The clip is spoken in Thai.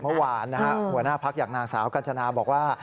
เมื่อวานหัวหน้าพักอย่างนางสาวกัญจนาบอกว่า